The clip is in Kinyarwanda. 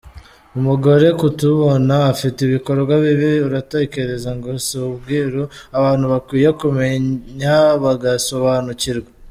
Umugore ko tubona afite ibikorwa bibi uratekereza ngo si ubwiru abantu bakwiye kumenya bagasobanukirwa.